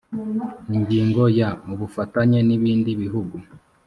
ingingo ya ubufatanye n ibindi bihugu